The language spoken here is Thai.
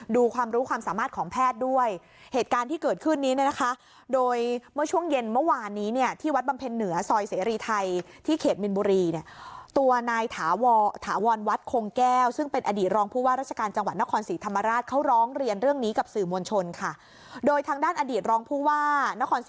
ดูความรู้ความสามารถของแพทย์ด้วยเหตุการณ์ที่เกิดขึ้นนี้เนี่ยนะคะโดยเมื่อช่วงเย็นเมื่อวานนี้เนี่ยที่วัดบำเพ็ญเหนือซอยเสรีไทยที่เขตมินบุรีเนี่ยตัวนายถาวรถาวรวัดคงแก้วซึ่งเป็นอดีตรองผู้ว่าราชการจังหวัดนครศรีธรรมราชเขาร้องเรียนเรื่องนี้กับสื่อมวลชนค่ะโดยทางด้านอดีตรองผู้ว่านค